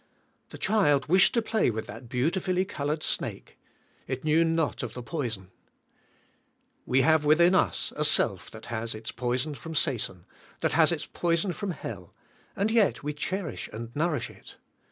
The child wished to play with that beautifully colored snake. It knew not of the poison. We have within us a self that has its poison from Satan, that has its poison from hell and yet we cherish and nourish it.